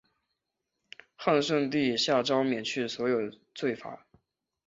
汉顺帝下诏免去所有罪罚。